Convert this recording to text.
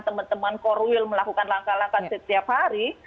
teman teman korwil melakukan langkah langkah setiap hari